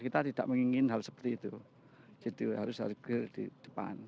kita tidak menginginkan hal seperti itu harus clear di depan